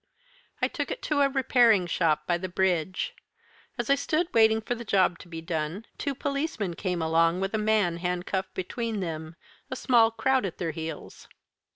I took it to a repairing shop by the bridge. As I stood waiting for the job to be done, two policemen came along with a man handcuffed between them, a small crowd at their heels.